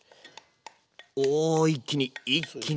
おお一気に一気に。